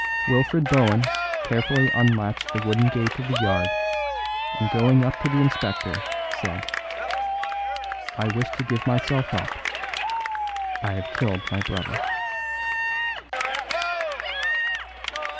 Wilfred Bohun carefully unlatched the wooden gate of the yard, and going up to the inspector, said: "I wish to give myself up; I have killed my brother."